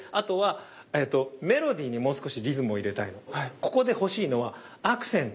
ここで欲しいのはアクセント。